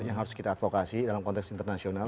yang harus kita advokasi dalam konteks internasional